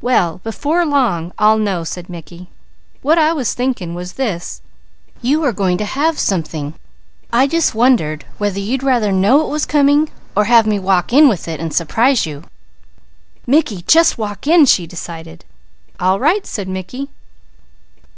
"Well, before long, I'll know," said Mickey. "What I was thinking was this: you are going to have something. I just wondered whether you'd rather know it was coming, or have me walk in with it and surprise you." "Mickey, you just walk in," she decided. "All right!" said Mickey.